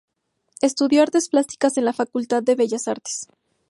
Estudio Artes Plásticas en la Facultad de Bellas Artes.